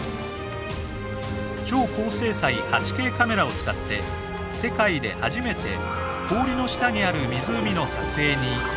超高精細８Ｋカメラを使って世界で初めて氷の下にある湖の撮影に挑みました。